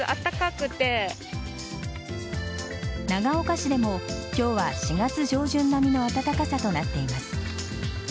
長岡市でも今日は４月上旬並みの暖かさとなっています。